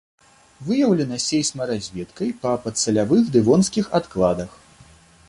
Выяўлена сейсмаразведкай па падсалявых дэвонскіх адкладах.